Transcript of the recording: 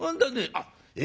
「あっえ